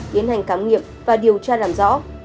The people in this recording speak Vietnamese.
tiến hành cám nghiệp và điều tra làm rõ